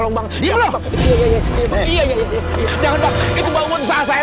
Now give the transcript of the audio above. jangan pak itu bangunan saya